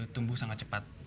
tumbuh sangat cepat